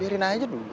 biarin aja dulu